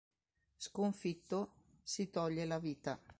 Sconfitto, si toglie la vita.